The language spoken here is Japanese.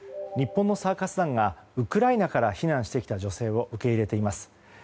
日本のサーカス団がウクライナから避難してきた女性を受け入れています。